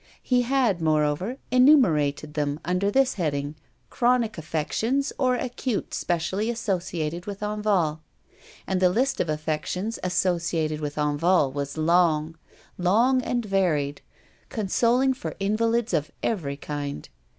He had, moreover, enumerated them under this heading: Chronic affections or acute specially associated with Enval. And the list of affections associated with Enval was long long and varied, consoling for invalids of every kind.